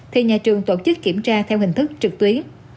thì nhà trường tổ chức kiểm tra theo hình thức trực tuyến